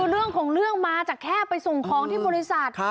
เรื่องของเรื่องมาจากแค่ไปส่งของที่บริษัท